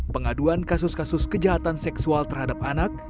pengaduan kasus kasus kejahatan seksual terhadap anak